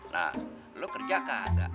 nah lo kerja kagak